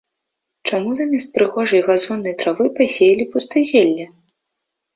Чаму замест прыгожай газоннай травы пасеялі пустазелле?